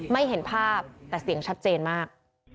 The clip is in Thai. เห็นภาพแต่เสียงชัดเจนมาก